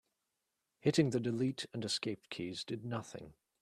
Hitting the delete and escape keys did nothing.